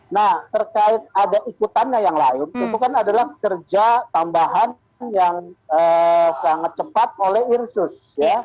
nah terkait ada ikutannya yang lain itu kan adalah kerja tambahan yang sangat cepat oleh irsus